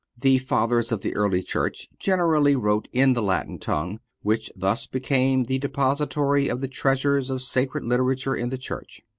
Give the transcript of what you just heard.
The Fathers of the early Church generally wrote in the Latin tongue, which thus became the depository of the treasures of sacred literature in the Church.